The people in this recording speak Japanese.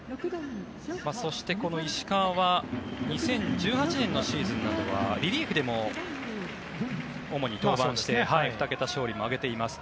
そして、この石川は２０１８年のシーズンなどはリリーフでも主に登板して２桁勝利も挙げています。